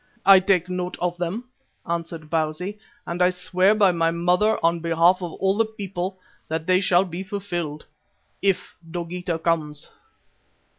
"I take note of them," answered Bausi, "and I swear by my mother on behalf of all the people, that they shall be fulfilled if Dogeetah comes."